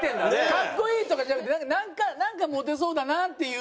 かっこいいとかじゃなくてなんかモテそうだなっていう。